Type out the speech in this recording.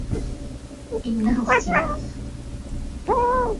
إنه اختلاف.